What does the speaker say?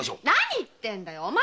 何言ってんだよ